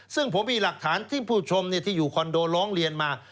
ซึ่งผมมีหลักฐานที่ผู้ชมที่อยู่คอนโดร้องเรียนมา